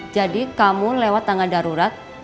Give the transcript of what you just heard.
jadi kamu lewat tangga darurat